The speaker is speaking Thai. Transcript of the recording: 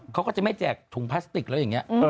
เขาก็จะไม่แจกถุงพลาสติกแล้วอย่างนี้